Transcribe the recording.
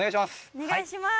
お願いします。